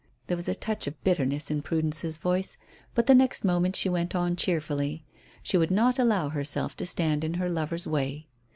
There was a touch of bitterness in Prudence's voice. But the next moment she went on cheerfully. She would not allow herself to stand in her lover's way.